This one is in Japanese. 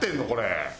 これ。